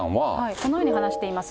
このように話しています。